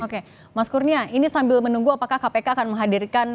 oke mas kurnia ini sambil menunggu apakah kpk akan menghadirkan